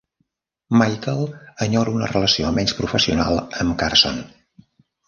Michael enyora una relació menys professional amb Carson.